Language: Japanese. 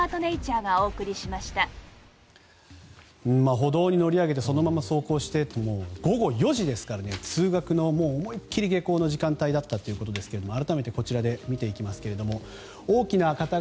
歩道に乗り上げてそのまま走行してって午後４時ですから通学の思い切り下校の時間だったということですが改めてこちらで見ていきますが大きな片側